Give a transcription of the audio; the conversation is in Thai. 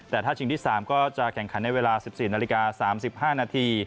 แต่ถ้าชิงที่๓ก็จะแข่งขันในเวลา๑๔น๓๕น